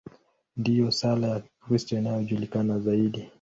Ndiyo sala ya Kikristo inayojulikana zaidi.